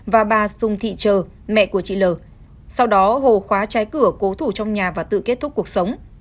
và bà sùng thị trờ mẹ của chị l sau đó hồ khóa trái cửa cố thủ trong nhà và tự kết thúc cuộc sống